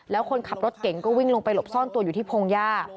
แล้วคนขับรถเก่งก็วิ่งลงไปหลบซ่อนตัวอยู่ที่พงหญ้า